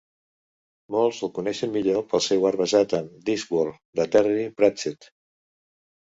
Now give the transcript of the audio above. Molts el coneixen millor pel seu art basat en "Discworld" de Terry Pratchett.